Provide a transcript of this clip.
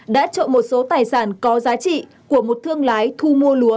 đã trộm một số tài sản có giá trị của một thương lái thu mua lúa